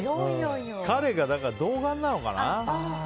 彼が童顔なのかな。